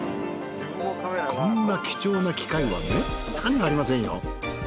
こんな貴重な機会はめったにありませんよ。